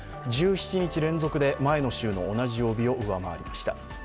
１７日連続で前の週の同じ曜日を上回りました。